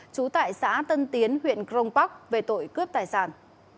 trú tại xã tân tiến huyện crong park về tội cướp tài sản